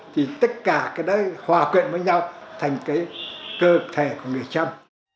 thì tất cả cái đó hòa quyện với nhau thành cái cơ thể của người chăm